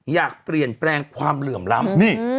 อยากเปลี่ยนแปลงความเหลื่อมล้ำนี่